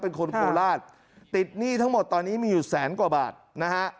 โคราชติดหนี้ทั้งหมดตอนนี้มีอยู่แสนกว่าบาทนะฮะ